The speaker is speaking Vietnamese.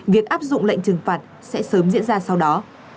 việc áp dụng lệnh trừng phạt sẽ sớm diễn ra sau đó